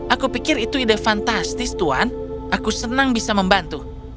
aku pikir itu ide fantastis tuan aku senang bisa membantu